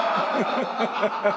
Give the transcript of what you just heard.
ハハハハハ。